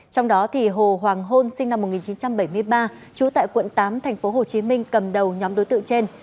trong đó hồ hoàng hôn sinh năm một nghìn chín trăm bảy mươi ba trú tại quận tám tp hcm cầm đầu nhóm đối tượng trên